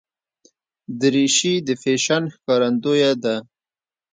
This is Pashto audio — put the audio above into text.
دریشي د فیشن ښکارندویه ده.